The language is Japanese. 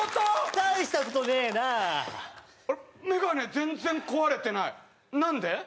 大したことねえなああれっ眼鏡全然壊れてないなんで？